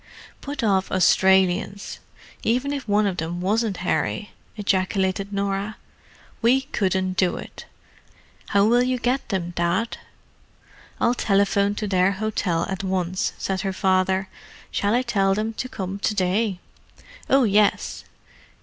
"Put off Australians, even if one of them wasn't Harry!" ejaculated Norah. "We couldn't do it! How will you get them, Dad?" "I'll telephone to their hotel at once," said her father. "Shall I tell them to come to day?" "Oh, yes.